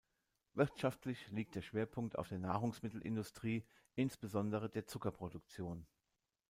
Wirtschaftlich liegt der Schwerpunkt auf der Nahrungsmittelindustrie, insbesondere der Zuckerproduktion.